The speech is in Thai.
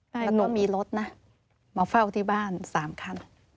มันต้องมีรถนะมาเฝ้าที่บ้าน๓คัน